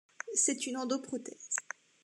C'est une endoprothèse.